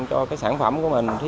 cho sản phẩm của mình